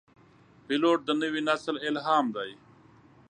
پیلوټ د نوي نسل الهام دی.